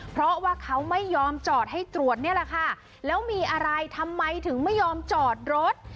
เพราะว่าเขาไม่ยอมจอดให้ตรวจนี่แหละค่ะแล้วมีอะไรทำไมถึงไม่ยอมจอดรถ